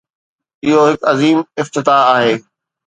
اهو هڪ عظيم افتتاح آهي.